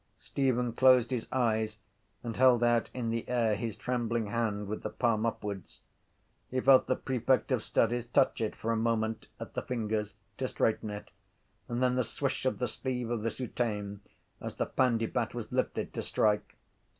Stephen closed his eyes and held out in the air his trembling hand with the palm upwards. He felt the prefect of studies touch it for a moment at the fingers to straighten it and then the swish of the sleeve of the soutane as the pandybat was lifted to strike.